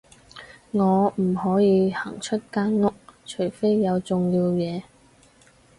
我唔可以行出間屋，除非有重要嘢